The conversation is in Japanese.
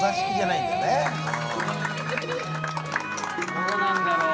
どうなんだろう？